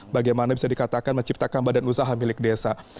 bagaimana bisa dikatakan menciptakan badan usaha milik desa